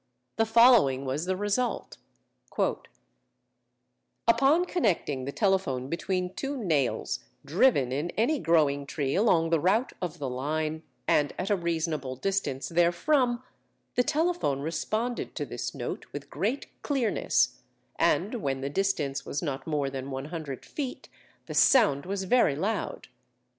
The following was the result: "Upon connecting the telephone between two nails driven in any growing tree along the route of the line, and at a reasonable distance therefrom, the telephone responded to this note with great clearness, and when the distance was not more than 100 feet, the sound was very loud.